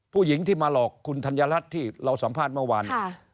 ผู้หญิงที่มาหลอกคุณธัญรัฐที่เราสัมภาษณ์เมื่อวาน